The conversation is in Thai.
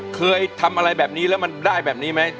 เคยทำอะไรแบบนี้แล้วมันได้แบบนี้ไหม